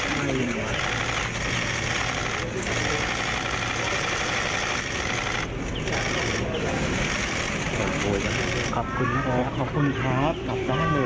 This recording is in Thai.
มีอะไรเหมือนกันครับ